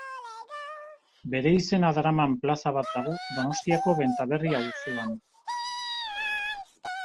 Bere izena daraman plaza bat dago Donostiako Benta Berri auzoan.